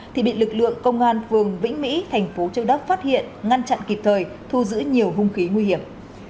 thì bị lực lượng công an phường vĩnh mỹ thành phố châu đốc phát hiện ngăn chặn kịp thời thu giữ nhiều hung khí nguy hiểm